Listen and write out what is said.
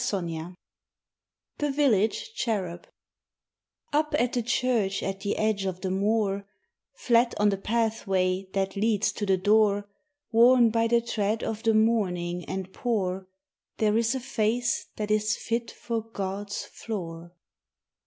VII THE VILLAGE CHERUB UP at the church at the edge of the moor, Flat on the pathway that leads to the door, Worn by the tread of the mourning and poor, There is a face that is fit for God's floor.